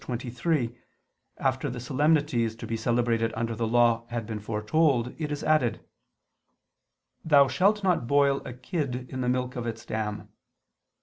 23) after the solemnities to be celebrated under the Law had been foretold, it is added: "Thou shalt not boil a kid in the milk of its dam."